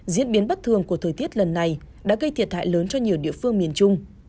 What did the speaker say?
diễn biến bất thường của thời tiết lần này đã gây thiệt hại lớn cho nhiều địa phương miền trung